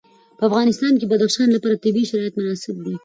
په افغانستان کې د بدخشان لپاره طبیعي شرایط مناسب دي.